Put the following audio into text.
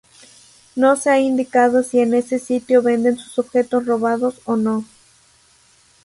No se ha indicado si en ese sitio vende sus objetos robados o no.